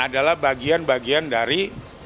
adalah bagian bagian dari